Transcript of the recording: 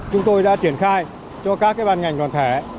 chúng tôi đã triển khai cho các ban ngành đoàn thể